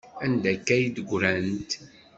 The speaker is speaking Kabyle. Anda akka ay d-ggrant?